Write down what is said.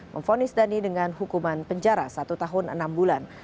memfonis dhani dengan hukuman penjara satu tahun enam bulan